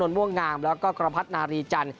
นนท์ม่วงงามและก็กรมาพรรดินาฬีจันทร์